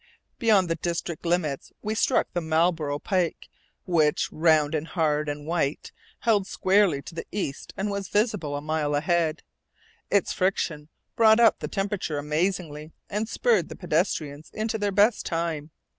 Beyond the District limits we struck the Marlborough pike, which, round and hard and white, held squarely to the east and was visible a mile ahead. Its friction brought up the temperature amazingly and spurred the pedestrians into their best time.